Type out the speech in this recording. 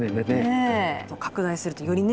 拡大するとよりね